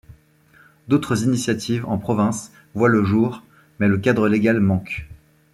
D'autres initiatives en province voient le jour mais le cadre légal manque.